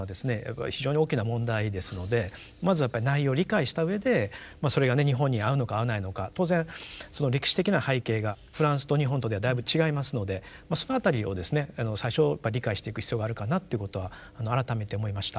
非常に大きな問題ですのでまずはやっぱり内容を理解したうえでそれが日本に合うのか合わないのか当然歴史的な背景がフランスと日本とではだいぶ違いますのでその辺りをですね最初理解していく必要があるかなということは改めて思いました。